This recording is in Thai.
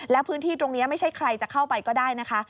แล้วพื้นที่ตรงนี้ไม่ใช่ใครจะเข้าไปก็ได้นะคะ